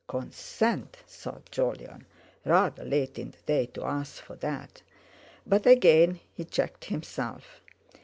"Consent?" thought Jolyon. "Rather late in the day to ask for that!" But again he checked himself.